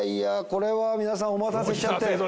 これは皆さんお待たせしちゃって。